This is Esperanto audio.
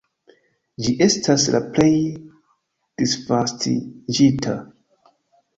Ĝi estas la plej disvastiĝinta.